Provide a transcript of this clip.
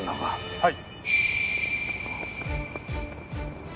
はい。